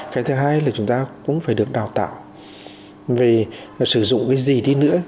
cái thứ hai là chúng ta cũng phải được đào tạo về sử dụng cái gì đi nữa